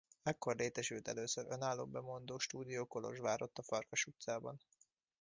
Ekkor létesült először önálló bemondó stúdió Kolozsvárott a Farkas utcában.